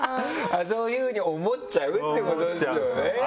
そういうふうに思っちゃうってことですよね。